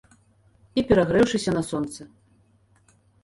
І перагрэўшыся на сонцы.